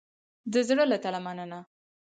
د زړه له تله مننه